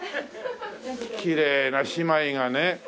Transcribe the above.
きれいな姉妹がね。